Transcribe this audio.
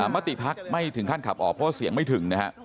มติภักดิ์ไม่ถึงขั้นขับออกเพราะว่าเสียงไม่ถึงนะฮะ